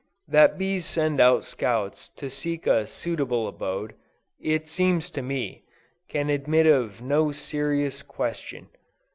That bees send out scouts to seek a suitable abode, it seems to me, can admit of no serious question.